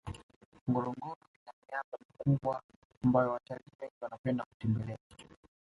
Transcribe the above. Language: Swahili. ngorongoro ina miamba mikubwa ambayo watalii wengi wanapenda kutembelea